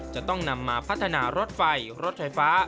จะต้องนำมาพัฒนารถไฟรถไฟฟ้า